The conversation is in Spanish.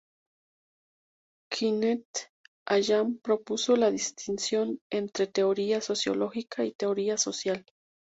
Kenneth Allan propuso la distinción entre "teoría sociológica" y teoría "social".